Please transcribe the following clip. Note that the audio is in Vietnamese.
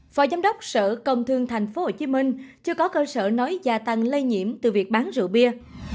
phó giám đốc sở công thương tp hcm chưa có cơ sở nói gia tăng lây nhiễm từ việc bán rượu bia